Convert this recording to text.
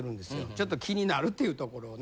ちょっと気になるっていう所をね。